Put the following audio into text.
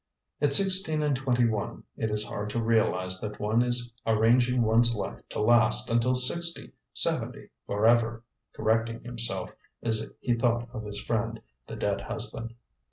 "At sixteen and twenty one it is hard to realize that one is arranging one's life to last until sixty, seventy, forever," correcting himself as he thought of his friend, the dead husband.